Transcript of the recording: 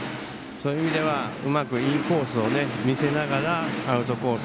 そういう意味ではうまくインコースを見せながらアウトコース